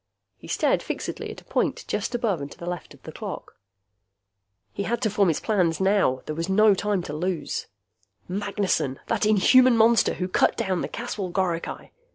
He stared fixedly at a point just above and to the left of the clock. He had to form his plans now. There was no time to lose. Magnessen! That inhuman monster who cut down the Caswell goricae!